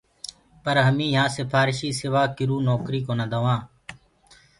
پر همي يهآنٚ سِپهارشي سِوا ڪِرو نوڪريٚ ڪونآ دوآنٚ۔